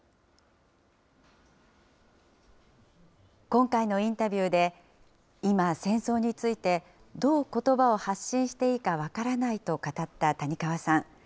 今回のインタビューで、今、戦争について、どうことばを発信していいか分からないと語った谷川さん。